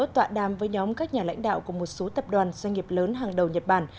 tọa đàm với nhóm các nhà lãnh đạo của một số tập đoàn doanh nghiệp lớn hàng đầu nhật bản